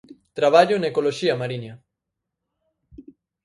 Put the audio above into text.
Traballo en ecoloxía mariña.